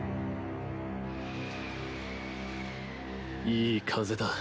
いい風だ。